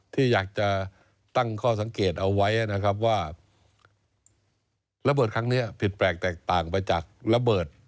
ที่อยากจะตั้งข้อสังเกตเอาไว้นะครับว่าระเบิดครั้งนี้ผิดแปลกแตกต่างไปจากระเบิด